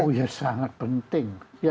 oh ya sangat penting